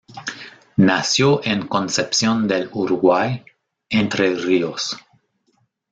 Nació en Concepción del Uruguay, Entre Ríos.